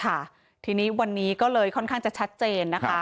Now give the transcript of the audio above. ค่ะทีนี้วันนี้ก็เลยค่อนข้างจะชัดเจนนะคะ